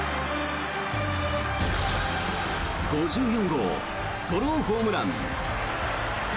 ５４号ソロホームラン。